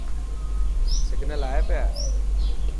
سگنل آئي پيا.